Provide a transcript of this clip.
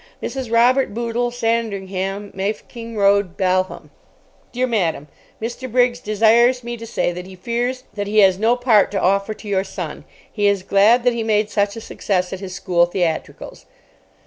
'Mrs. Robert Boodle, Sandringham, Mafeking Road, Balham. Dear Madam: Mr. Briggs desires me to say that he fears that he has no part to offer to your son. He is glad that he made such a success at his school theatricals.